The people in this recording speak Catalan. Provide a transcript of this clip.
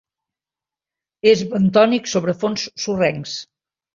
És bentònic sobre fons sorrencs.